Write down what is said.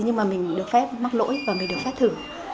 nhưng mà mình được phép mắc lỗi và mình được phép thử